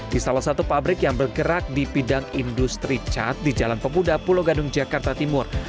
di salah satu pabrik yang bergerak di bidang industri cat di jalan pemuda pulau gadung jakarta timur